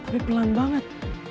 tapi pelan banget